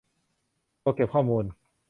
ตัวเก็บข้อมูล